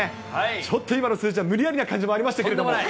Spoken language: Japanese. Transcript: ちょっと今の数字は無理やりな感じもありましたけれども。